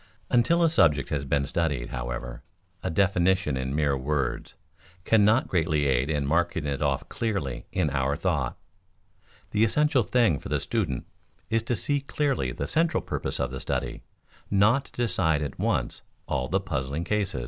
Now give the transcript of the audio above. Until a subject has been studied, however, a definition in mere words cannot greatly aid in marking it off clearly in our thought. The essential thing for the student is to see clearly the central purpose of the study, not to decide at once all of the puzzling cases.